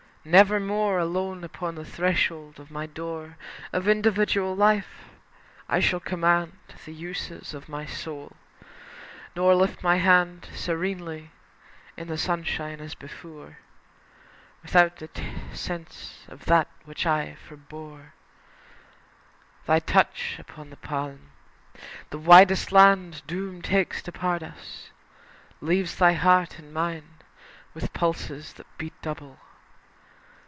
Nevermore Alone upon the threshold of my door Of individual life, I shall command The uses of my soul, nor lift my hand Serenely in the sunshine as before, Without the sense of that which I forbore Thy touch upon the palm. The widest land Doom takes to part us, leaves thy heart in mine With pulses that beat double.